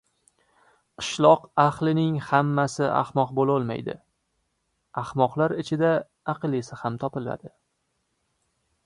• Qishloq ahlining hammasi ahmoq bo‘lolmaydi, ahmoqlar ichida aqllisi ham topiladi.